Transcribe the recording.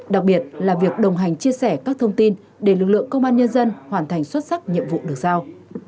đặc biệt là việc đồng hành chia sẻ các thông tin để lực lượng công an nhân dân hoàn thành xuất sắc nhiệm vụ được giao